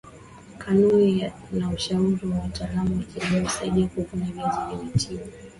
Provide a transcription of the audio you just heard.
kanuni na ushauri wa wataalam wa kilimo husaidia kuvuna viazi vyenye tija